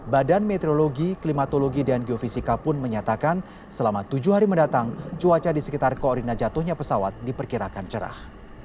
badan meteorologi klimatologi dan geofisika pun menyatakan selama tujuh hari mendatang cuaca di sekitar koordinat jatuhnya pesawat diperkirakan cerah